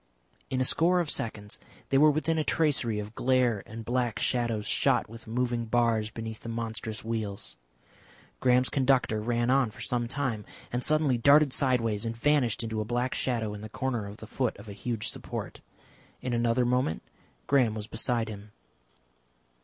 In a score of seconds they were within a tracery of glare and black shadows shot with moving bars beneath the monstrous wheels. Graham's conductor ran on for some time, and suddenly darted sideways and vanished into a black shadow in the corner of the foot of a huge support. In another moment Graham was beside him.